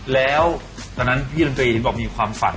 แล้วตอนนั้นพี่ดนตรีเห็นบอกมีความฝัน